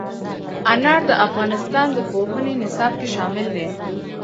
انار د افغانستان د پوهنې نصاب کې شامل دي.